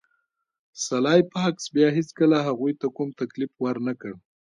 سلای فاکس بیا هیڅکله هغوی ته کوم تکلیف ورنکړ